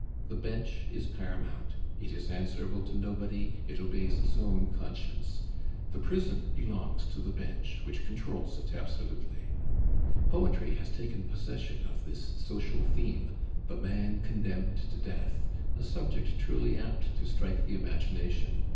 The Bench is paramount; it is answerable to nobody, it obeys its own conscience. The prison belongs to the Bench, which controls it absolutely. Poetry has taken possession of this social theme, "the man condemned to death" a subject truly apt to strike the imagination!